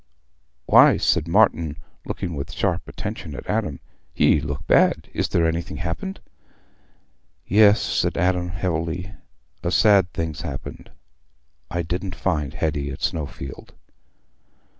"Why," said Martin, looking with sharper attention at Adam, "ye look bad. Is there anything happened?" "Yes," said Adam, heavily. "A sad thing's happened. I didna find Hetty at Snowfield."